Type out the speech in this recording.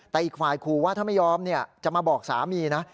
แต่อีกฝ่ายขู่ว่าถ้าไม่ยอมจะมาบอกสามีนะ